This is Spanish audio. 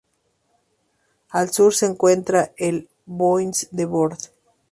Al sur se encuentra el Bois de Bord.